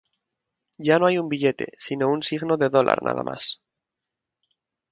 Ya no hay un billete, sino un signo de dólar nada más.